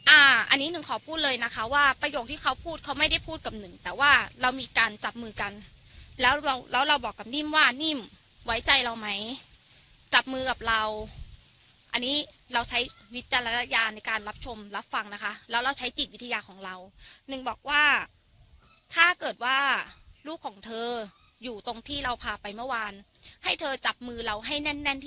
อันนี้หนึ่งขอพูดเลยนะคะว่าประโยคที่เขาพูดเขาไม่ได้พูดกับหนึ่งแต่ว่าเรามีการจับมือกันแล้วแล้วเราบอกกับนิ่มว่านิ่มไว้ใจเราไหมจับมือกับเราอันนี้เราใช้วิจารณญาณในการรับชมรับฟังนะคะแล้วเราใช้จิตวิทยาของเราหนึ่งบอกว่าถ้าเกิดว่าลูกของเธออยู่ตรงที่เราพาไปเมื่อวานให้เธอจับมือเราให้แน่นแน่นที่